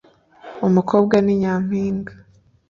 umukobwa ni nyampinga